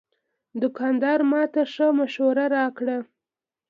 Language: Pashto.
دوکاندار ماته ښه مشوره راکړه.